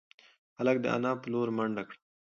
هلک د انا په لور منډه کړه.